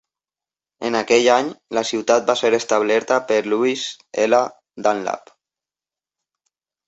En aquell any, la ciutat va ser establerta per Lewis L. Dunlap.